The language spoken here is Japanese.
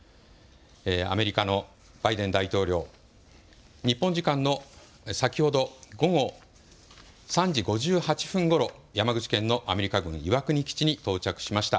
アメリカのバイデン大統領、日本時間の先ほど午後３時５８分ごろ、山口県のアメリカ軍岩国基地に到着しました。